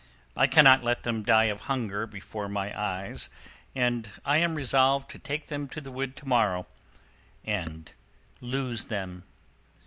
I cannot let them die of hunger before my eyes, and I am resolved to take them to the wood to morrow, and lose them.